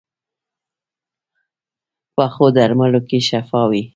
پخو درملو کې شفا وي